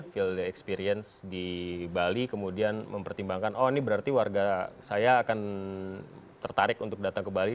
phill the experience di bali kemudian mempertimbangkan oh ini berarti warga saya akan tertarik untuk datang ke bali